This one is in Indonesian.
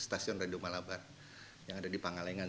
stasiun radio malabar yang ada di pangalengan